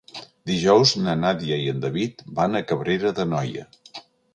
Dijous na Nàdia i en David van a Cabrera d'Anoia.